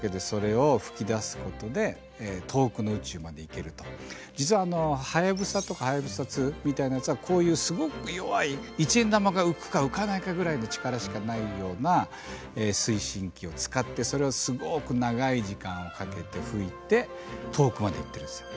けれどもすごく実は「はやぶさ」とか「はやぶさ２」みたいなやつはこういうすごく弱いの力しかないような推進機を使ってそれをすごく長い時間をかけて噴いて遠くまで行ってるんですよ。